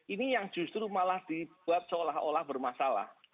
ini yang justru malah dibuat seolah olah bermasalah